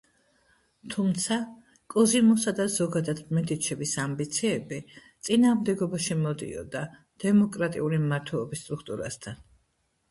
თუმცა, კოზიმოსა და ზოგადად მედიჩების ამბიციები წინააღმდეგობაში მოდიოდა დემოკრატიული მმართველობის სტრუქტურასთან.